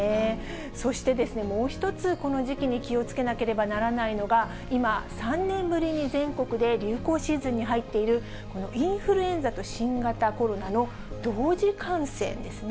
そしてもう一つ、この時期に気をつけなければならないのが、今、３年ぶりに全国で流行シーズンに入っている、このインフルエンザと新型コロナの同時感染ですね。